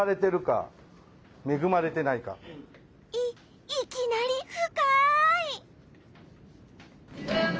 いいきなり深い！